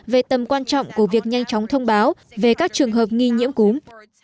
về tầm quan trọng của việc nhanh chóng thông báo về các trường hợp nghi nhiễm cúm